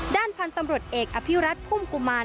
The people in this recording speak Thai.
ด้านพันธุ์ตำรวจเอกอภิรัตพุ่มกุมาร